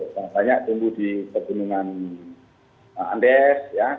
banyak banyak tumbuh di kegunungan andes ya